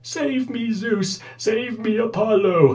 "Save me, Zeus! save me Apollo!